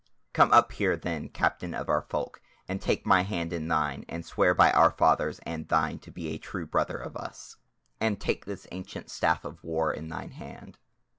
"Come up here then, Captain of our folk, and take my hand in thine, and swear by our fathers and thine to be a true brother of us, and take this ancient staff of war in thine hand.